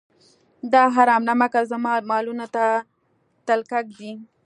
دا حرام نمکه زما مالونو ته تلکه ږدي.